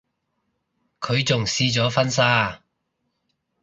佢仲試咗婚紗啊